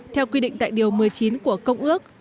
theo quy định tại điều một mươi chín của công ước